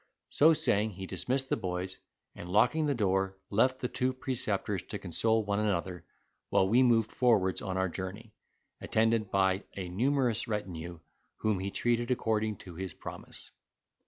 So saying he dismissed the boys, and locking the door, left the two preceptors to console one another; while we moved forwards on our journey, attended by a numerous retinue, whom he treated according to his promise.